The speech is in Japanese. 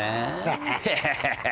ハハハハ！